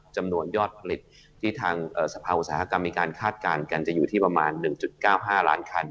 จำนวนยอดผลิตที่ทางสภาอุตสาหกรรมมีการคาดการณ์กันจะอยู่ที่ประมาณ๑๙๕ล้านคัน